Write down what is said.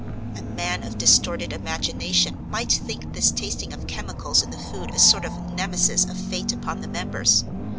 A man of distorted imagination might think this tasting of chemicals in the food a sort of nemesis of fate upon the members.